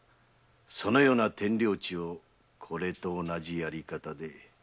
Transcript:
それらの天領地もこれと同じやり方で。